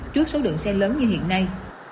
trước số đường xe lớn như hiện nay